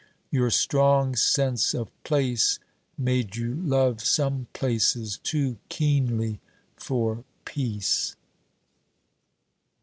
Your strong sense of place made you love some places too keenly for peace.